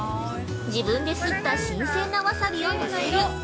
自分ですった新鮮なわさびを乗せる。